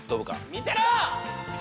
見てろ！